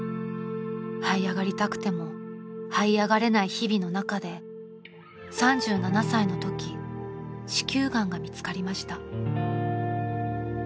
［はい上がりたくてもはい上がれない日々の中で３７歳のとき子宮がんが見つかりました］